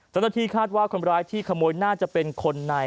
เจ้าหน้าที่คาดว่าคนร้ายที่ขโมยน่าจะเป็นคนใน